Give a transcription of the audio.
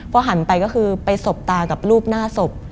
พอหันไปก็คือไปสบตากับรูปหน้าศพ